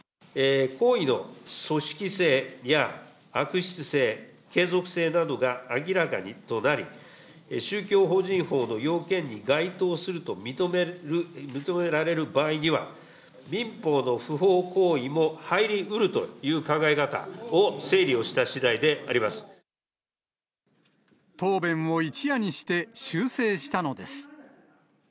行為の組織性や悪質性、継続性などが明らかとなり、宗教法人法の要件に該当すると認められる場合には、民法の不法行為も入りうるという考え方を整理をしたしだいであり答弁を一夜にして修正したのです。